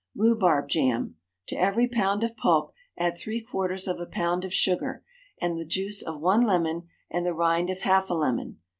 RHUBARB JAM. To every pound of pulp add three quarters of a pound of sugar, and the juice of one lemon and the rind of half a lemon.